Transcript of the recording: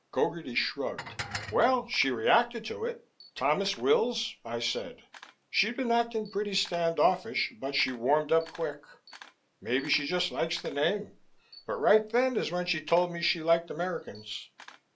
Gogarty shrugged. "Well, she reacted to it. 'Thomas Wills,' I said. She'd been acting pretty stand offish, but she warmed up quick. Maybe she just likes the name, but right then is when she told me she liked Americans."